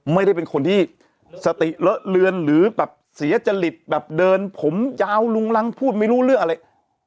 ไม่ได้เป็นคนที่สติเลอะเลือนหรือแบบเสียจริตแบบเดินผมยาวลุงรังพูดไม่รู้เรื่องอะไร